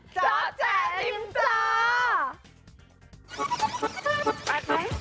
เจ้าแจ๊ะริมเจ้า